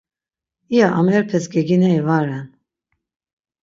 İya amerepes gegineri va ren.